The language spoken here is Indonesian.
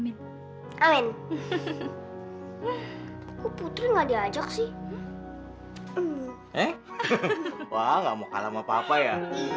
amin amin putri nggak diajak sih eh wah nggak mau kalah sama papa ya